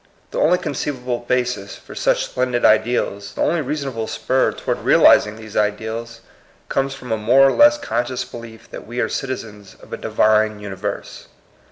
The only conceivable basis for such splen did ideals, the only reasonable spur toward realizing these ideals, comes from a more or less conscious belief that we are citi zens of a Divine universe.